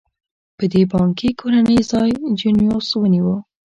په دې بانکي کورنۍ ځای جینوس ونیوه.